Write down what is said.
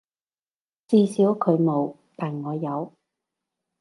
至少佢冇，但我有